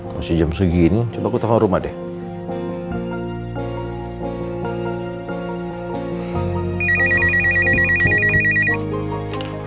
masih jam segini coba aku taruh rumah deh